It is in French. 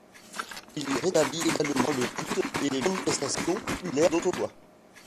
Il y rétablit également le culte et les manifestations populaires d'autrefois.